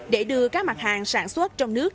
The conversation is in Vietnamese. để đưa các mặt hàng sản xuất trong nước